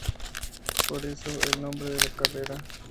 Por eso el nombre de la carrera.